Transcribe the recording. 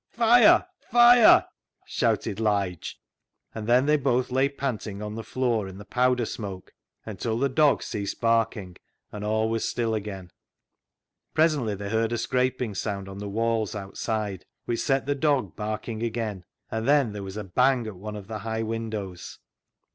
" Fire ! Fire !" shouted Lige, and then they both lay panting on the floor in the powder smoke until the dog ceased barking, and all was still again. Presently they heard a scraping sound on the walls outside, which set the dog barking again, and then there was a bang at one of the high windows.